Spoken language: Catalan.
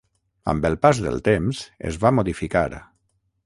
Amb el pas del temps es va modificar.